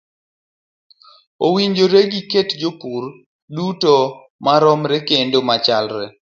Owinjore giket jopur duto maromre kendo machalre.